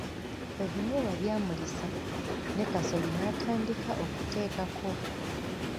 Ebinyeebwa byamulisa ne kasooli n’atandika okuteekako.